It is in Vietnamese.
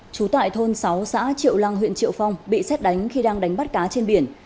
trú tại thôn sáu xã triệu lang huyện triệu phong bị xét đánh khi đang đánh bắt cá trên biển